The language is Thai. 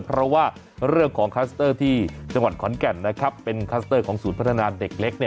เพราะว่าเรื่องของคลัสเตอร์ที่จังหวัดขอนแก่นเป็นคลัสเตอร์ของศูนย์พัฒนาเด็กเล็ก